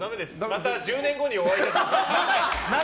また１０年後にお会いしましょう。